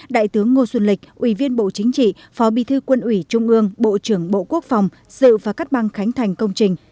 đại tướng ngô xuân lịch ủy viên bộ chính trị phó bi thư quân ủy trung ương bộ trưởng bộ quốc phòng dự và cắt băng khánh thành công trình